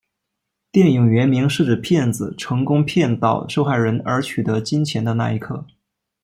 电影原名是指骗子成功骗倒受害人而取得金钱的那一刻。